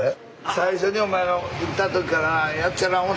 最初にお前が行った時からええやっちゃな思てた。